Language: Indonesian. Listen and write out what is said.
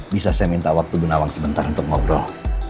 bisa saya minta waktu bu nawang sebentar untuk ngobrol